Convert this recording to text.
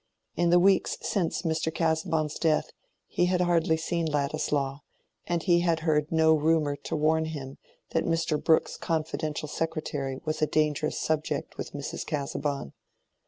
In the weeks since Mr. Casaubon's death he had hardly seen Ladislaw, and he had heard no rumor to warn him that Mr. Brooke's confidential secretary was a dangerous subject with Mrs. Casaubon.